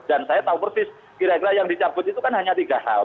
dan saya tahu persis kira kira yang dicabut itu kan hanya tiga hal